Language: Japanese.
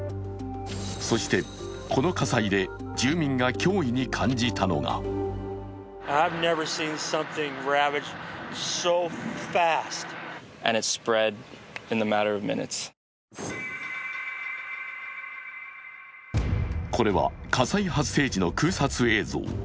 そしてこの火災で住民が脅威に感じたのがこれは火災発生時の空撮映像。